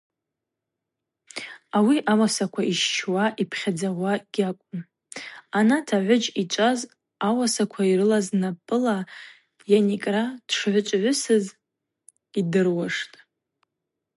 Ауи ауасаква йщщуа йпхьадзауата гьакӏвым—анат агӏвыджь йчӏваз ауасаква йрылаз, напӏыла йаникӏра дшгӏвычӏвгӏвысыз йдыруаштӏ.